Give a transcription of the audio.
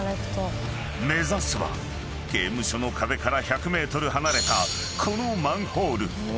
［目指すは刑務所の壁から１００ｍ離れたこのマンホール］